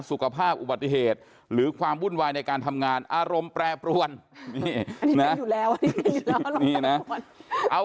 สุขภาพอุบัติเหตุหรือความวุ่นวายในการทำงานอารมณ์แปรปรวนนี่นะเอา